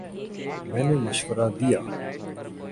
میں نے مشورہ دیا